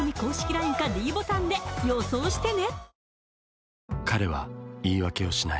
ＬＩＮＥかｄボタンで予想してね！